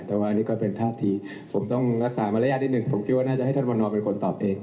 แต่ว่าอันนี้ก็เป็นท่าทีผมต้องรักษามารยาทนิดหนึ่งผมคิดว่าน่าจะให้ท่านวันนอเป็นคนตอบเอง